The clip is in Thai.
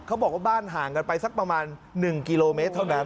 เขาบอกว่าบ้านห่างกันไปสักประมาณ๑กิโลเมตรเท่านั้น